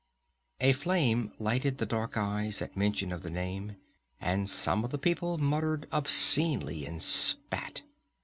A flame lighted the dark eyes at mention of the name, and some of the people muttered obscenely and spat.